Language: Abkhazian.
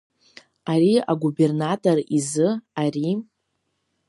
Ари агубернатор изы, ари…